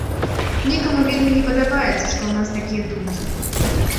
Некаму вельмі не падабаецца, што ў нас такія думкі.